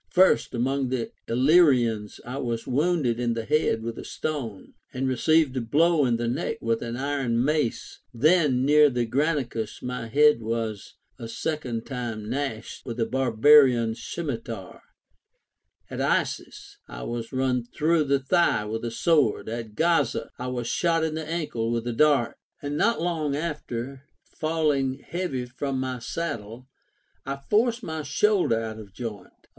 First, among the Illyrians I was wounded in the head with a stone, and received a blow in the neck Avith an iron mace. Then, near the Granicus my head was a second time gashed with a barbarian scimitar ; at Issus I was run through the thiah with a sword ; at Gaza I was shot in the ankle with a dart ; and not long after, falling heavy from my saddle, I forced my shoulder out of joint.